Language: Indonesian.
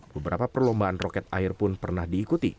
beberapa perlombaan roket air pun pernah diikuti